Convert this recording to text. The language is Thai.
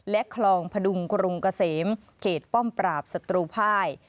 และคลองพดุงกรุงเกษมเขตป้อมปราบศัตรูภาย